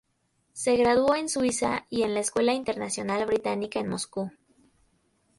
Se graduó en Suiza y en la Escuela Internacional Británica en Moscú.